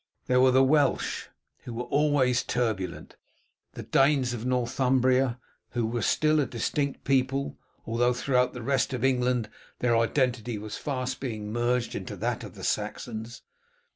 There were the Welsh, who were always turbulent; the Danes of Northumbria, who were still a distinct people, although throughout the rest of England their identity was fast being merged into that of the Saxons.